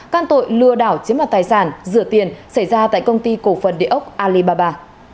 can tội lừa đảo chiếm đoạt tài sản rửa tiền xảy ra tại công ty cổ phần địa ốc alibaba